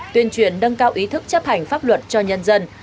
tuyên truyền nâng cao ý thức chấp hành pháp luật cho nhân dân